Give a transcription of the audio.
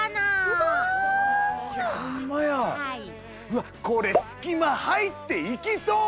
うわっこれ入っていきそう。